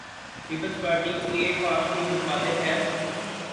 Peoples Party کے پاس کو ئی متبادل ہے؟